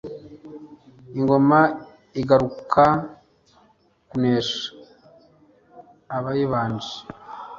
Ingoma igaruka kunesha abayibanje